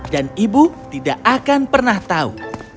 dan ibu tidak akan pernah tahu